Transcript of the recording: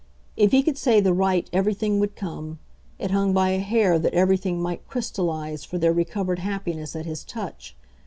If he could say the right everything would come it hung by a hair that everything might crystallise for their recovered happiness at his touch.